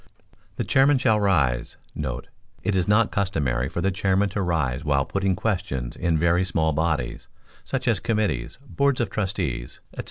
The chairman shall rise* [It is not customary for the chairman to rise while putting questions in very small bodies, such as committees, boards of trustees, &c.